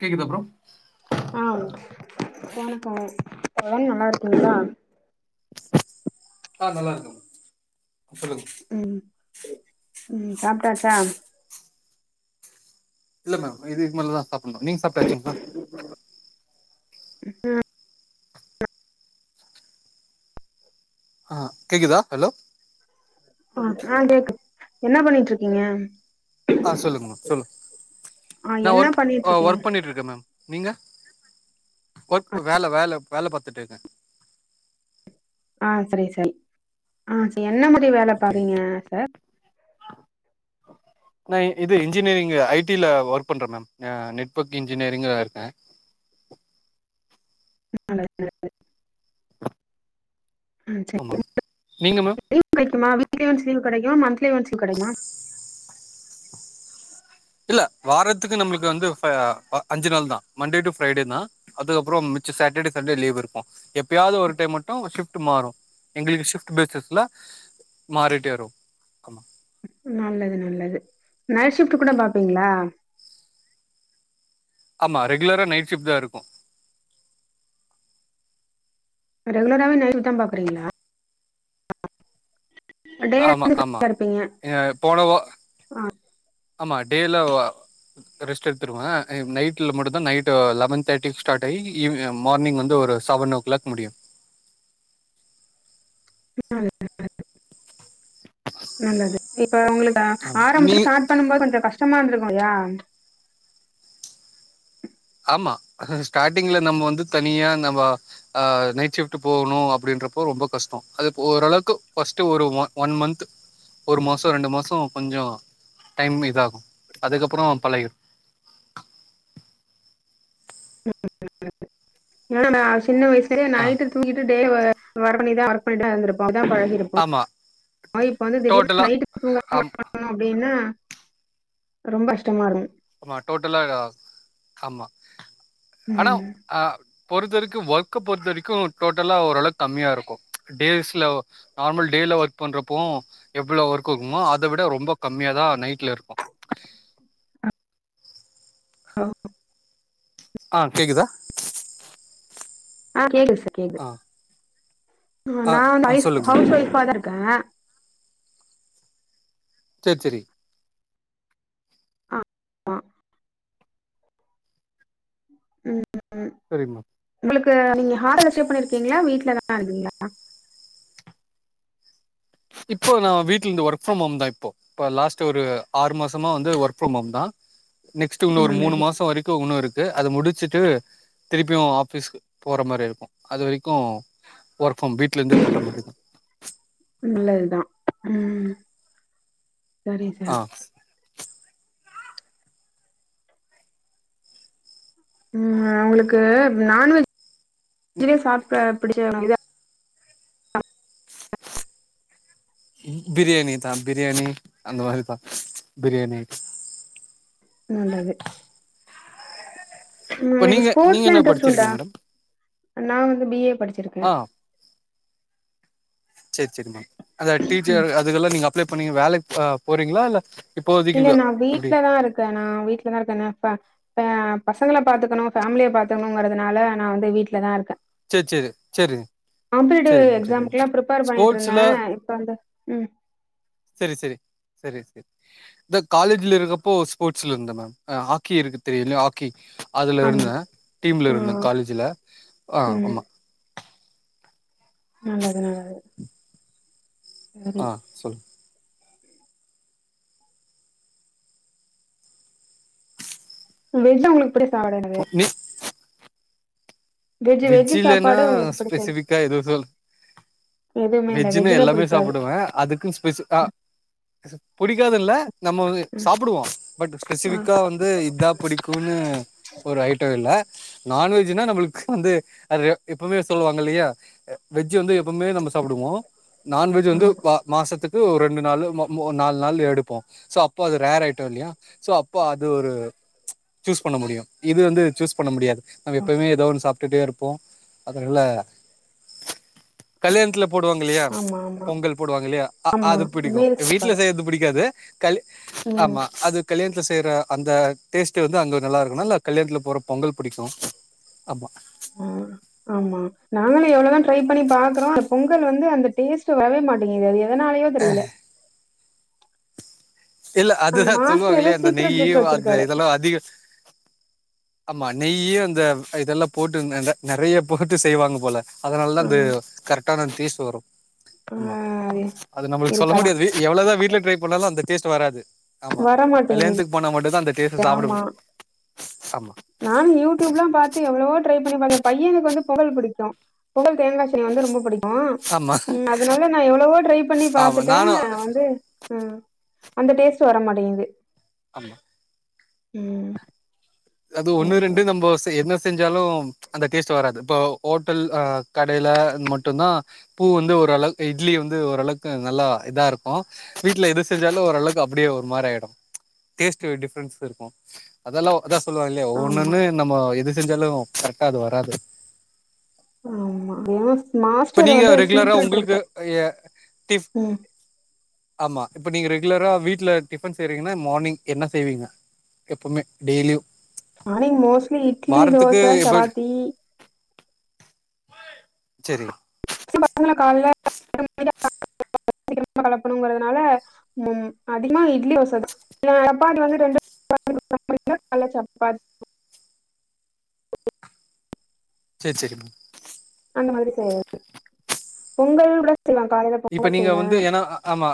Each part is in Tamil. கேக்குதா ப்ரோ ஆ வணக்கோ தோழன் நல்லாருக்கிங்ளா ஆ நல்லா இருக்கே சொல்லுங்க ம் ம் சாப்ட்டாச்சா இல்ல மேம் இதுக்கு மேலதா சாப்புணு நீங்க சாப்ட்டாச்சுங்ளா ம்ஹும் ஆ கேக்கிதா ஹலோ ஆ ஆ கேக்குது என்ன பண்ணிட்ருக்கீங்க ஆ சொல்லுங்கோ சொல்லு ஆ நா என்ன ஒர்க் பண்ணிட்டு இருக்கீங்க ஒர்க் பண்ணிட்ருக்கே மேம் நீங்க ஒர்க் வேல வேல வேல பாத்துட்ருக்க ஆ செரி செரி ஆ சி என்ன மாரி வேல ஓகே பாக்குரிங்க சார் உ நா இ இது இன்ஜினியரிங் ஐ டில ஒர்க் பண்றே மேம் ந நெட்வர்க் இன்ஜினியரிங்க்ல இருக்கே நல்லது நல்லது ஆமா ஆ நீங்க மேம் [inaudible] லீ்வ் கெடைக்குமா வீக்லி ஒன்ஸ் லீவு கெடைக்குமா மந்த்லி ஒன்ஸ் லீவு கெடைக்குமா இல்ல வாரத்துக்கு நம்மளுக்கு வந்து ஃபை அஞ்சு நாள் தா மண்டே டு ஃப்ரைடே தா அதுக்கப்புறோ மிச்ச சேட்டர்டே சண்டே லீவ் இருக்கும் எப்பயாவ்து ஒரு டைம் மட்டு ஷிப்ட் மாறு எங்களுக்கு ஷிஃப்ட் பேசிஸ்ல மாறிட்டேருக்கு நல்லது நல்லது நைட் ஷிப்ட் கூட பாப்பீங்களா ஆமா ரெகுலரா நைட் ஷிப்ட் தான் இருக்கும் ரெகுலராவே லைன் தான் பாக்குறீங்களா டேல ஆமா வந்து ஆமா ஃப்ரீயா இருப்பீங்க எ போனா ஆ ஆமா டேல வ ரெஸ்ட் எடுத்துடுவேன் நைட்ல மட்டும் தான் நைட் லெவன் தேர்ட்டி ஸ்டார்ட் ஆகி இ மார்னிங் வந்து ஒரு சவன்னோக்ளாக் முடியும் நல்ல நல்லது நல்லது இப்ப உங்கள ஆமா நீ ஆரம்பத்துல சா ட் பண்ணும் போது கொஞ்சம் கஷ்டமா இருந்துருக்கும் இல்லையா ஆமா ஸ்டார்ட்டிங்ல நம்ம வந்து தனியா நம்ம அ நைட் ஷிப்ட் போகணும் அப்டின்றப்போ ரொம்ப கஷ்டம் அது ஓரளவுக்கு பஸ்ட்டு ஒரு ஒ ஒன் மந்த் ஒரு மாசோ ரெண்டு மாசோ கொஞ்சம் டைம் இதாகும் அதுக்கப்பறோ பழகிடும் இல்லன்னா சின்ன வயசுலயே ஆ நைட்டுக்கு தூங்கிட்டு டே மார்னிங் தான் ஒர்க் பண்ணிட்டுதா இருந் இப்ப அதான் பழகி இருப்போ ஆமா ஆ இப்ப வந்து திடீர்னு டோட்டலா நைட் தூங்காம ஆம் இரு அப்டின்னா ரொம்ப கஷ்டமா இருக்கும் ஆமா டோட்டலா ஆமா ஆனா ம் ஆ பொறுத்த வரைக்கும் ஒர்க் பொறுத்த வரைக்கும் டோட்டலா ஓரளவு கம்மியா இருக்கும் டேஸ்ல நார்மல் டேய்ல ஒர்க் பண்றப்போ எவ்ளோ ஒர்க் இருக்குமோ அதை விட ரொம்ப கம்மியா தான் நைட்ல இருக்கும் ஹலோ ஆ கேக்குதா ஆ கேக்குது சார் ஆ கேக்குது ஆ நான் ஆ நைப் சொல்லுங்க மேடம் ஹவுஸ் ஒஃப்பா தான் இருக்கேன் சேர் சேரி ம் ம் ம் செரிம்மா உங்களுக்கு நீங்க ஹார்ல ஸ்டே பண்ணிருக்கீங்களா வீட்ல தான் இருக்குங்களா இப்போ நான் வீட்ல இருந்து ஒர்க் ஃப்ரம் ஹோம் தான் இப்போ இப்ப லாஸ்ட் ஒரு ஆறு மாசமா வந்து ஒர்க் ஃபரம் ஹோம் தான் நெக்ஸ்ட் ஒரு மூணு நல்லது மாசம் வரைக்கும் ஒண்ணும் இருக்கு அத முடிச்சுட்டு திருப்பியும் ஆஃபிஸ்க் போற மாரி இருக்கும் அது வரைக்கும் ஒர்க் ஃப்ரம் வீட்ல இருந்தே பண்ற மாரி தான் நல்லதுதான் ம் சரி சார் ஆ ம் உங்களுக்கு நான்வெஜ் வெஜ்லே சாப்ட புடிக்கலனா பிரியாணி தான் பிரியாணி அந்த மாரி தான் பிரியாணி நல்லது உங்களுக்கு நீங்க நீங்க ஸ்போர்ட்ஸ்லாம் என்ன இன்ட்ரெஸ்ட் உண்டா படிச்சிருக்கீங்க மேடம் நான் வந்து பிஏ படிச்சிரு ஆ சேர் சேரிம்மா அதா டீச்சர் அதுக்கெல்லாம் நீங்க அப்ளை பண்ணீங்க வேலைக்கு போறீங்களா இல்ல இப்போதைக்கு இல்ல வ நான் எப்டி வீட்லதான் இருக்கேன் நான் வீட்லதான் இருக்கேன் நப்ப ஆ பசங்களை பாத்துக்கணும் ஃபேமிலிய பாத்துக்கணுங்கறிறதுனால நான் வந்து வீட்லதான் இருக்கேன் சேர் சேரி சேரிங்க காம்படேட்டிவ் எக்ஸாம்கெல்லாம் பிரிப்பேர் பண்ணிட்டு ஸ்போர்ட்ஸ்ல இருந்தேன் இப்ப வந்து ம் செரி செரி செரி செரி இந்த காலேஜ்ல இருக்கப்போ ஸ்போர்ட்ஸ்ல இருந்த மேம் ஹாக்கி இருக்கு தெரியுங்கலா ஹாக்கி அதுல ஆமா இருந்தேன் டீம்ல் ஆ இருந்தேன் காலேஜில் ஆ ம் ஆமா நல்லது நல்லது சரி ஆ சொல் வெஜா ஒங்களுக்கு புடிக்கு அப்டினே மிஸ் வெஜ் வெஜ் வெஜி இல்ன்னா சாப்பாடு உங்களுக்கு பிடிச்சது ஸ்பெசிபிக்கா ஏதுவு இல்ல எதுவுமே இல்ல வெஜ்ஜின்னா வெஜ்ஜுனா எல்லாமே பிடிக்காது சாப்புடுவேன் அதுக்கு ஸ்பெசு அ புடிக்காதுல்ல நம்ம வந்து ம் சாப்புடுவோம் பட் ஆ ஸ்பெசிஃபிக்கா வந் து இதா பிடிக்குனு ஒரு ஐட்டோ இல்ல நான்வெஜ்னா நம்மளுக் குந்து ஐயயோ எப்போமே சொல்லுவாங்க இல்லையா வெஜ் வந்து எப்போமே நம்ம சாப்புடுவோம் நான்வெஜ் வந்து ஆமா வ மாசத்துக்கு ஒரு ரெண்டு நாளு நால் நாளு எடுப்போம் சோ அப்போ அது ரேர் ஆயிட்டோ இல்லயா சோ அப்போ அது ஒரு சூஸ் பண்ண முடியும் இது வந்து சூஸ் பண்ண முடியாது நாங்க எப்பவுமே ஏதோ ஒண்ணு சாப்ட்டுட்டே இருப்போம் அதனால கல்யாணத்ல போடுவாங்க இல்லையா ஆமா ஆமா பொங்கல் போடுவாங்க இல்லயா ஆ ஆமா அது பிடிக்கும் மீல் வீட்ல சாப்பாடு செய்றது புடிக்காது கல் ம் ஆமா அது கல்யாணத் செய்ற அந்த டேஸ்ட்டு வந்து அங்க நல்லா இருக்குனு இல்ல கல்யாணத்ல போற பொங்கல் பிடிக்கும் ஆமா ம் ஆமா நாங்களு எவ்ளதா ட்ரை பண்ணி பாக்றோ பொங்கல் வந்து அந்த டேஸ்ட் வரவே மாட்டேங்குது அது எதனாலயோ தெரியல இல்ல ஆ அதுதா மாஸ்டர் ஏதோ சொல்வாகல்லயா அந்த சீக்ரெட் நெய் ட்ரிக் அது வச்சிருக்காரு இதல்லா அதிக ஆமா நெய்யும் அந்த இதெல்லா போட்டு அ நறைய போட்டு செய்வாங்க போல அதனால்தா ஆ அந்த கரெக்டான டேஸ்ட் வரும் ஆ ஆமா அது நம்மளுக்கு சொல்ல இருக்கலா முடியாது எவ்வளோதா வீட்ல ட்ரை பண்ணாலு அந்த டேஸ்ட் வராது ஆமா வரமாட்டேங்குது கல்யணத்துக்கு போன மட்டுதா அந் ஆமா நானு யூடியூப்ல்லாம் பாத்து எவ்ளவோ ட்ரை பண்ணிப்பாக்கன் ய பையனுக்கு வந்து பொங்கல் பிடிக்கும் பொங்கல் தேங்க்காசட்னி வந்து ரொம் புடிக் ஆ ஆமா ம் அதனால நா எவ்ளவோ ட்ரை பண்ணி ஆமா பாத்துட்டேன் நானு வந்து அ அந்த டேஸ்ட்டு வரமாடேங்குது ஆமா ம் அது ஒன்னு சரி ரெண்டு சரி நம்போ செய் என்ன செஞ்சாலும் அந்த டேஸ்ட்டு வராது இப்போ ஓட்டல் அ கடையில மட்டும் தா பூ வந்து ஒரு அளவுக்கு இட்லி வந்து ஓரளவுக்கு நல்லா இதாருக்கும் வீட்ல எது செஞ்சாலு ஓரளவுக்கு அப்டியே ஒரு மார்ராயிடும் டேஸ்ட்டு டிஃப்ரென்ஸ் இருக்கும் அதெல்லா அதா சொல்லுவாங்க இல்லயே ஆமா ஒண்ணுன்னு நம்ம எது செஞ்சாலு கரெக்டா அது வராது ஆமா ஏனா இப்ப மாஸ்டர் நீங்க வந்து ரெகுலரா உங்களுக்கு சீக்ரெட்ருக்கு எ டிஃப் உம் ஆமா இப்ப நீங்க ரெகுலரா வீட்ல டிஃபன் செய்றீங்கன்னா மார்னிங் என்ன செய்வீங்க எப்பமே டெய்லியு மார்னிங் மோஸ்ட்லி இட்லி தோச எப்ப சப்பாத்தி செரி பசங்கள கால்ல [inaudible] கெளப்பணுங்கிறதுனால உம் அதிகமா இட்லி தோசதா அ டப்பாடு வந்து ரெண்டு [inaudible] கால்ல சப்பாட் ச்சேர் ச்செரி பூ அந்த மாரி செய்வ் பொங்கல் ரைக்ச்சிலா காலேலப் இப்ப நீங்க வந்து ஏனா அஅ அமா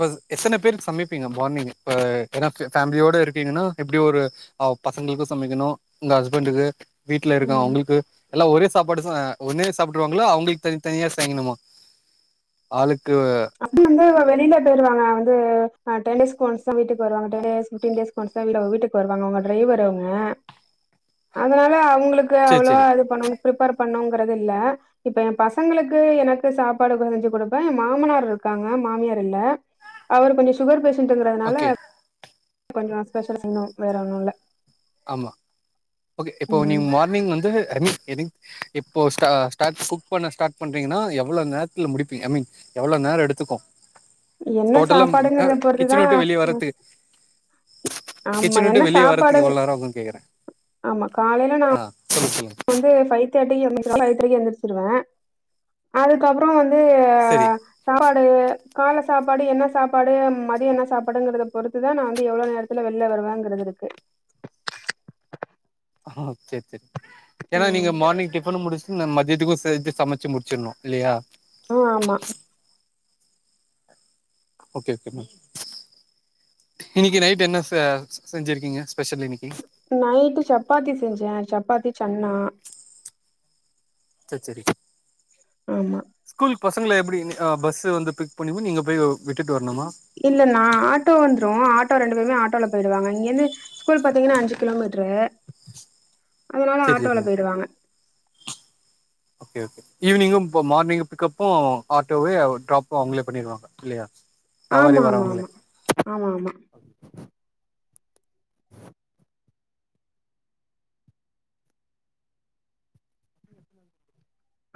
பஜ் எத்தன பேருக் சமப்பீங்க மார்னிங்கு ப ஏனா ஃபே ஃபேமிலியோட இருக்கீங்கன்னா எப்டி ஒரு ஆவ் பசங்களுக்கு சமைக்கணு உங்க ஹஸ்பண்டுக்கு வீட்ல இருக்கவ் ம் அவ்ங்கள்க்கு எல்லா ஒரே சாப்பாடு தா ஒன்னே சாப்ட்ருவாங்களா அவங்களு தனி தனியா செய்ணுமா ஆளுக்கு அப்டின் வந்தவ வெளில டோருவாங்க வந்து அ டென் டேஸ் ஒன்ஸ்தா வீட்டுக் வருவாங்க டுடேஸ் ஃபிஃப்ட்டீன் டேஸ் வன்ஸ் தா வில்லவ் வீட்டுக் வருவாங்க அவ்ங்க ட்ரைவர் அவ்ங்க அதனால அவ்ங்ளுக் க்கு சரி அவ்ளவா சரி இது பண்ணணு ப்ரிப்பேர் பண்ணோங்கறதுல்ல இப்ப எ பசங்களுக்கு எனக்கு சாப்பாடு கொதஞ்சு குடுப்பே எ மாமனார் ருக்காங்க மாமியார் இல்ல அவர் கொஞ்சு ஷுகர் பேஷன்ட்டுங்கறதுனால ஓகே கொஞ்சோ ஸ்பெஷல் செய்ணு வேற ஒண்ணுல்ல ஆமா ஓகே இப்போ நீ ம் மார்னிங் வந்து ஐமி எதி இப்போ ஸ்டா ஸ்டாட் குக் பண்ண ஸ்டாட் பண்றீங்கனா எவ்ளோ நேத்துல முடிப்பீங்க அ மீன் எவ்ளோ நேரோ எடுத்துக்கு என்ன டோட்டலம் ஆ சாப்பாடுங்கறத கிச்சன் பொறுத்துதான் விட்டு வெளிய வரத்து ஆமா கிச்சனு விட்டு என்ன வெளிய வர்றத்து சாப்பாடு எவள் நேரோ ஆகு கேக்குறே ஆமா காலைய்ல நா ஆ சொல்லு சொல்லுங் வந்து ஃபை தட்டி [unintelligible] எந்திர்ச்சிருவே அதுக்கப்றோ வந்து செரி சாப்பாடு கால்ல சாப்பாடு என்ன சாப்பாடு மதியு என்ன சாப்பாடுங்கற பொறுத்துதா நா வந்து எவ்ளோ நேரு த்துல வெள்ல வருவாங்கறது ருக்கு ஹாஹாஹா ச்செர் ச்செர் ஏன்னா நீங்க மார்னி டிஃபன்னு முடிச்சுன்ன மதியத்துக்குஸ் எ இது சமச்சு முடிச்சுர்ணு இல்லியா உ ஆமா ஓகே ஓகே மேம் இன்னிக்கி நைட் என்ன ஸ ஸி செஞ்சிருக்கீங்க ஸ்பெஷல் இன்னிக்கி நைட்டு சப்பாத்தி செஞ்சே சப்பாத்தி சன்னா ச்ச ச்சரி ஆமா ஸ்கூல் பசங்கள எப்டி நி ஆ பஸ் வந்து பிக் பண்ணிவோ நீங்க போயோ விட்டுட் வர்ணுமா இல்ல நா ஆட்டோ வந்த்ரு ஆட்டோ ரெண்டு பேருமே ஆட்டோல போய்டுவாங்க இங்கிந்து ஸ்கூல் பாத்தீங்கன்னா அஞ்சி கிலோமீட்ரு அதனால சேரி சேரி ஆட்டோல மேம் போய்டுவாங்க ஓகே ஓகே ஈவ்னிங்கு பு மார்னிங்கு பிக்கப்பு ஆட்டோவேயாவ் ட்ராப்பு அவங்களே பண்ணிருவாங்க இல்லையா சவாரி ஆமா ஆமா வரவங்களே ஆமா ஆமா ஆமா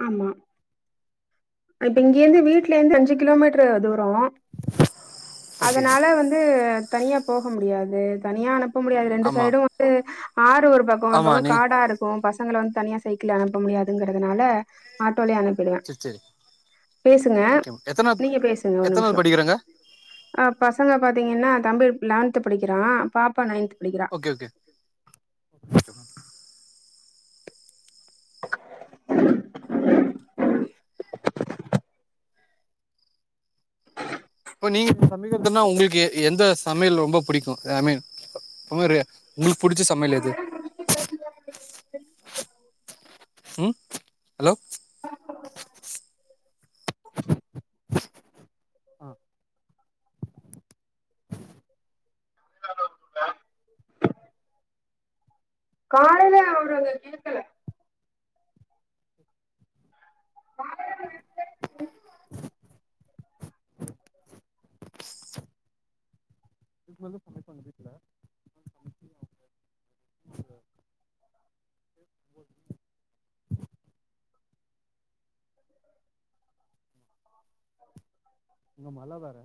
ஆமா அய் திங்யேந்து வீட்லேந்து அஞ்சி கிலோ மீட்ரு தூரோ ஓகே அதனால வந்து தனியா போக முடியாது தனியானம் போ முடியாது ரெண்டு ஆமா சைடு வந்து ஆறு ஒரு பக்கோ ஒரு ஆமா பக்கோ நீ காடாரு போ பசங்கள வந்து தனியா சைக்கிள்ள அனுப்ப முடியாதுங்கிறதுனால ஆட்டோலே அனுப்பிடுவே இச்சரி நீங்க பேசுங்க ஒரு எத்தனாவது நிம்ஷோ படிக்கிறாங்க அ பசங்க பாத்தீங்கின்னா தம்பி லெவன்த்து படிக்கிறா பாப்பா நைன்த் படிக்கிறா ஓகே ஓகே ஓகே மேம் இப்ப நீங்க சமைக்கிறதுன்னா உங்கள்க்கு எ எந்த சமையல் ரொம்ப பிடிக்கும் ஐ மீன் பாரு உங்குள்க்கு புடிச்ச சமையலெது ம் ஹலோ ஆ காலைல அவுரு கேக்கல இது எதுக் பண்ற தான வீட்ல இங்க மழ வேற